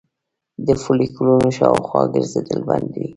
د فولیکونو شاوخوا ګرځیدل بندوي